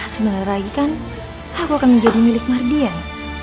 sebentar lagi kan aku akan menjadi milik mardian